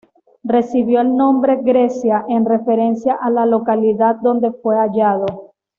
Recibió el nombre "Grecia" en referencia a la localidad donde fue hallado.